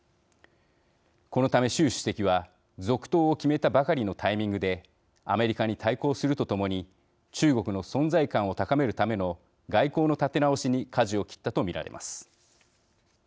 このため、習主席は続投を決めたばかりのタイミングでアメリカに対抗すると共に中国の存在感を高めるための外交の立て直しにかじを切ったと見られます。